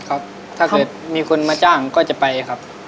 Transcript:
ถ้าเกิดมีคนมาจ้างก็จะไปครับ